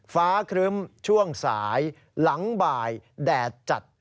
ครึ้มช่วงสายหลังบ่ายแดดจัด